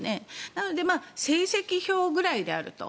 なので、成績表くらいであると。